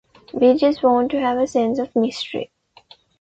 We just want to have a sense of mystery.